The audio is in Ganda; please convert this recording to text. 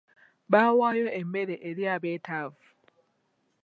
Bawaayo emmere eri abetaavu.